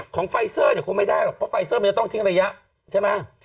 ไฟเซอร์เนี่ยคงไม่ได้หรอกเพราะไฟเซอร์มันจะต้องทิ้งระยะใช่ไหม